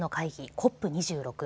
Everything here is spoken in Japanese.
ＣＯＰ２６。